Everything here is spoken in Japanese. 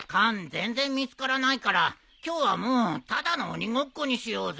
全然見つからないから今日はもうただの鬼ごっこにしようぜ。